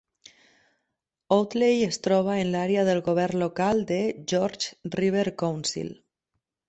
Oatley es troba en l'àrea del govern local de Georges River Council.